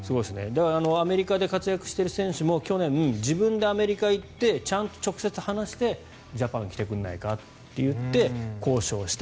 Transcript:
だからアメリカで活躍している選手たちも自分でアメリカに行ってちゃんと直接話してジャパンに来てくれないかと言って交渉した。